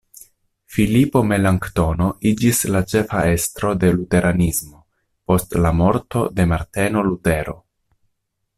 Filipo Melanktono iĝis la ĉefa estro de luteranismo post la morto de Marteno Lutero.